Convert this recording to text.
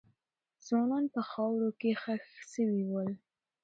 ځوانان په خاورو کې خښ سوي ول.